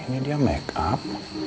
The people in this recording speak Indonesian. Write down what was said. ini dia makeup